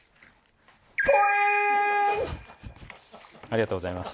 ありがとうございます。